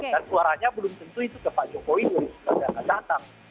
dan suaranya belum tentu itu ke pak jokowi dari sekarang